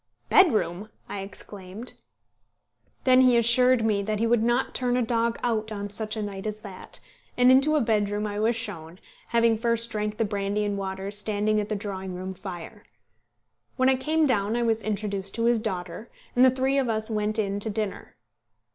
"Bedroom!" I exclaimed. Then he assured me that he would not turn a dog out on such a night as that, and into a bedroom I was shown, having first drank the brandy and water standing at the drawing room fire. When I came down I was introduced to his daughter, and the three of us went in to dinner.